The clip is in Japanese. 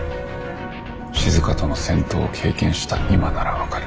しずかとの戦闘を経験した今なら分かる。